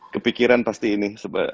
kepikiran pasti ini